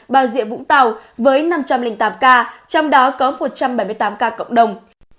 bà rịa vũng tàu với năm trăm linh tám ca trong đó có một trăm bảy mươi tám ca cộng đồng